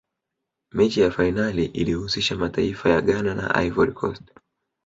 mechi ya fainali ilihusisha mataifa ya ghana na ivory coast